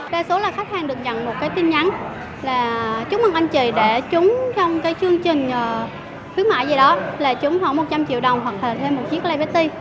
đa số là khách hàng được nhận một cái tin nhắn là chúc mừng anh chị để trúng trong cái chương trình khuyến mại gì đó là trúng khoảng một trăm linh triệu đồng hoặc là thêm một chiếc le petit